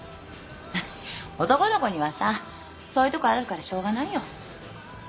男の子にはさそういうとこあるからしょうがないよ。